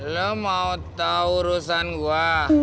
lo mau tau urusan gua